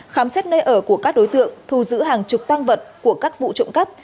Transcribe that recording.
khám xét nơi ở của các đối tượng thu giữ hàng chục tăng vật của các vụ trộm cắp